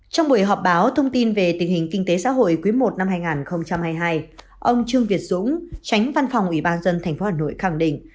trong buổi họp báo thông tin về tình hình kinh tế xã hội quý i năm hai nghìn hai mươi hai ông trương việt dũng tránh văn phòng ủy ban dân thành phố hà nội khẳng định